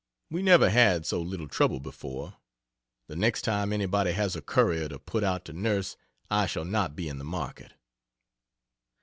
We never had so little trouble before. The next time anybody has a courier to put out to nurse, I shall not be in the market.